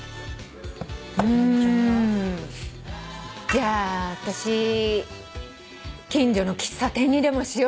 じゃあ私「近所の喫茶店」にでもしようかな。